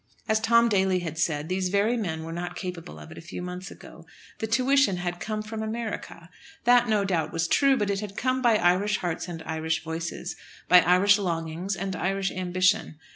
As Tom Daly had said, these very men were not capable of it a few months ago. The tuition had come from America! That, no doubt, was true; but it had come by Irish hearts and Irish voices, by Irish longings and Irish ambition.